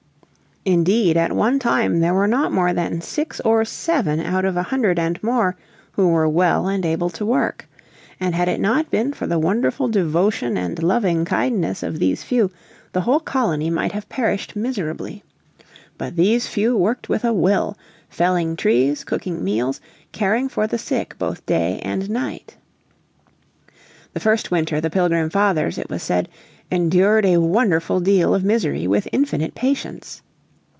Indeed at one time there were not more than six or seven out of a hundred and more who were well and able to work. And had it not been for the wonderful devotion and loving kindness of these few the whole colony might have perished miserably. But these few worked with a will, felling trees, cooking meals, caring for the sick both day and night. The first winter the Pilgrim Fathers, it was said, "endured a wonderful deal of misery with infinite patience."